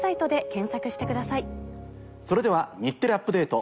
それでは『日テレアップＤａｔｅ！』